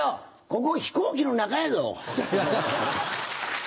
ここ飛行機の中やぞ。